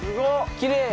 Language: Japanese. きれい。